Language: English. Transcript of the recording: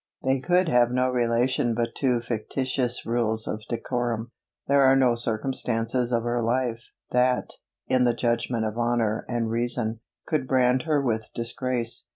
They could have no relation but to factitious rules of decorum. There are no circumstances of her life, that, in the judgment of honour and reason, could brand her with disgrace.